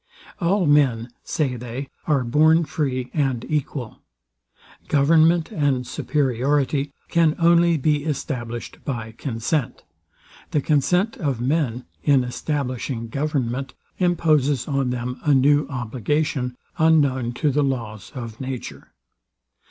All men, say they, are born free and equal: Government and superiority can only be established by consent: The consent of men, in establishing government, imposes on them a new obligation, unknown to the laws of nature.